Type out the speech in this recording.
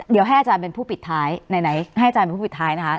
เดี๋ยวให้อาจารย์เป็นผู้ปิดท้ายไหนให้อาจารย์เป็นผู้ปิดท้ายนะคะ